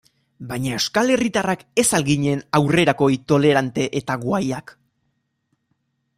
Baina euskal herritarrak ez al ginen aurrerakoi, tolerante eta guayak?